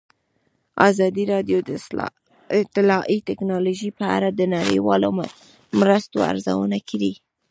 ازادي راډیو د اطلاعاتی تکنالوژي په اړه د نړیوالو مرستو ارزونه کړې.